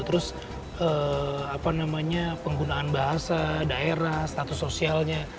terus apa namanya penggunaan bahasa daerah status sosialnya